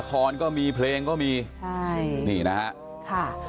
ละครก็มีเพลงก็มีนี่นะค่ะ